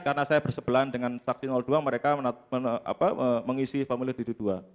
karena saya bersebelahan dengan saksi dua mereka mengisi formulir dd dua